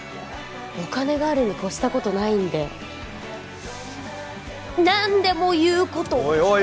お金があるにこしたことないんで何でも言うことをオイオイオイ！